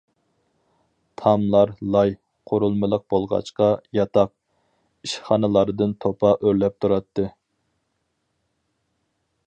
تاملار لاي قۇرۇلمىلىق بولغاچقا، ياتاق، ئىشخانىلاردىن توپا ئۆرلەپ تۇراتتى.